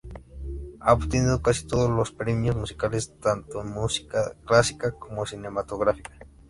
Ha obtenido casi todos los premios musicales, tanto en música clásica como cinematográfica.